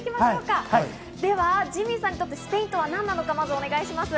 では、ジミーさんにとってスペインとは何なのか、まずお願いします。